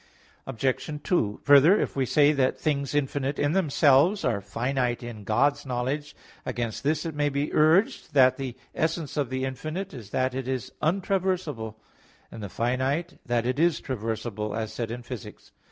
Obj. 2: Further, if we say that things infinite in themselves are finite in God's knowledge, against this it may be urged that the essence of the infinite is that it is untraversable, and the finite that it is traversable, as said in Phys. iii.